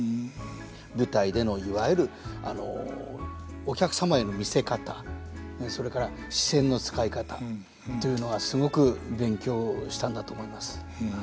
舞台でのいわゆるお客様への見せ方それから視線の使い方というのがすごく勉強したんだと思います。